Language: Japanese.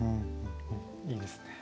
いいですね。